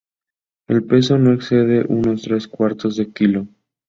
El peso no excede unos tres cuartos de kilo.